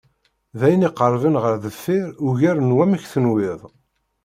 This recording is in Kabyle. D ayen iqerben ɣer deffir ugar n wamek tenwiḍ.